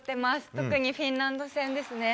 特にフィンランド戦ですね。